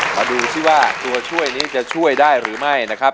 มาดูซิว่าตัวช่วยนี้จะช่วยได้หรือไม่นะครับ